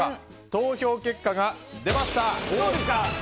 投票結果が出ました。